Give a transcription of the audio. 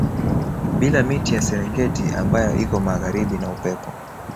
Bila miti ya Serengeti ambayo iko magharibi na Upepo